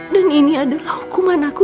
dan ini adalah hukuman aku